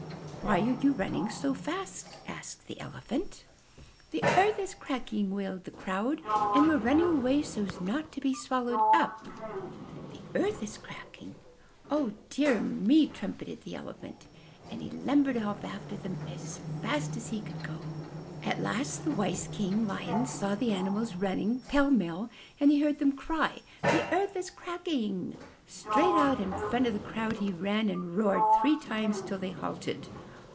''Why are you all running so fast?" asked the Elephant. "The earth is cracking!" wailed the crowd. "And we're running away so's not to be swallowed up!" 70 UP ONE PAIR OF STAIRS 'The earth is cracking? O dear meT* trumpeted the Elephant, and he lumbered off after them as fast as he could go. At last the wise King Lion saw the animals run ning pell mell, and he heard them cry, The earth is cracking!*' Straight out in front of the crowd he ran and roared three times till they halted.